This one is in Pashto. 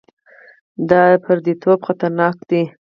دا پرديتوب خطرناک دی.